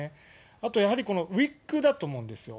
あとやはり、このウイッグだと思うんですよ。